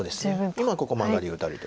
今ここマガリ打たれて。